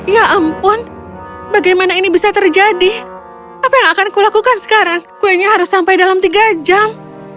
ya ampun bagaimana ini bisa terjadi apa yang akan kulakukan sekarang kuenya harus sampai dalam tiga jam